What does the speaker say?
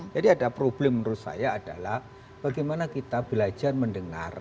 jadi ada problem menurut saya adalah bagaimana kita belajar mendengar